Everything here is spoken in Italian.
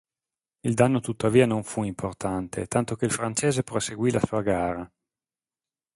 Il danno tuttavia non fu importante tanto che il francese proseguì la sua gara.